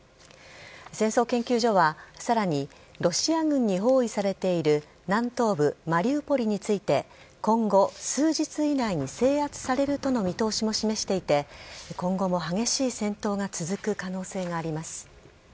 戦争研究所はさらに、ロシア軍に包囲されている南東部マリウポリについて、今後数日以内に制圧されるとの見通しも示していて、今後も激しい戦闘が続く可能性があります。